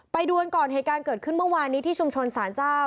ไปดูกันก่อนเหตุการณ์เกิดขึ้นเมื่อวานนี้ที่ชุมชนสารเจ้า